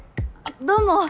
どうも。